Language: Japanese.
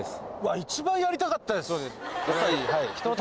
一番やりたかったやつ。